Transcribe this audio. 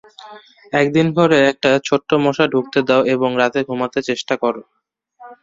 একদিন ঘরে একটা ছোট্ট মশা ঢুকতে দাও এবং রাতে ঘুমাতে চেষ্টা করো।